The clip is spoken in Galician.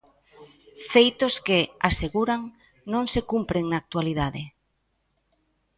Feitos que, aseguran, non se cumpren na actualidade.